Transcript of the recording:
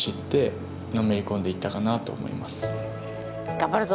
頑張るぞ。